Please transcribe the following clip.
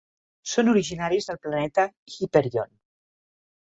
Són originaris del planeta Hyperion.